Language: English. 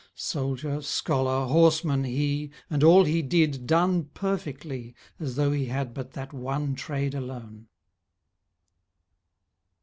Soldier, scholar, horseman, he, And all he did done perfectly As though he had but that one trade alone.